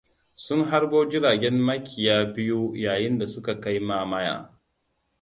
Sun harbo jiragen makiya biyu yayin da suka kai mamaya.